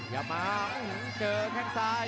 อย่ามาเจอแข้งซ้าย